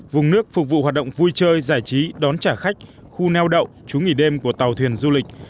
vùng nước phục vụ hoạt động vui chơi giải trí đón trả khách khu neo đậu chú nghỉ đêm của tàu thuyền du lịch